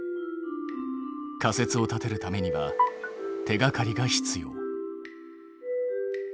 仮説を立てるためには手がかりが必要。